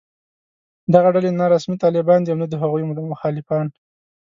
دغه ډلې نه رسمي طالبان دي او نه د هغوی مخالفان